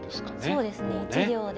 そうですね１両で。